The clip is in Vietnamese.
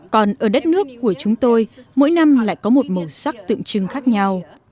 còn ở đất nước của chúng tôi mỗi năm lại có một màu sắc tượng trưng khác nhau